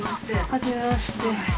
はじめまして。